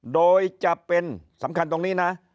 โดยจะเป็นสำคัญตรงนี้นะ